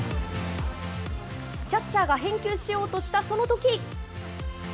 キャッチャーが返球しようとしたそのとき。